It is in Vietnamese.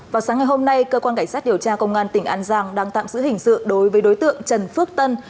vào sáng ngày hôm nay cơ quan cảnh sát điều tra công an tỉnh an giang đang tạm giữ hình sự đối với đối tượng trần phước tân